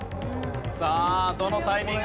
さあどのタイミングで。